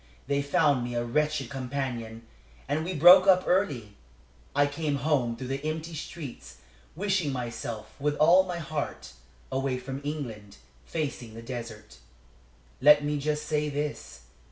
They found me a wretched companion, and we broke up early. I came home through the empty streets, wishing myself, with all my heart, away from England facing the desert. Let me just say this.